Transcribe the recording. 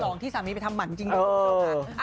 ฉลองที่สามีไปทำมันจริงเลยเนอะ